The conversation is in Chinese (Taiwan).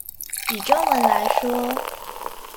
以中文來說